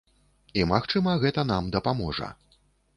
І магчыма, гэта нам дапаможа.